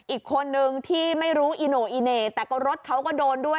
อีกคนนึงที่ไม่รู้อีโน่อีเหน่แต่ก็รถเขาก็โดนด้วย